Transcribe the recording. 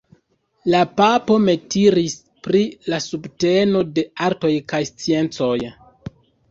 La papo meritis pri la subteno de artoj kaj sciencoj.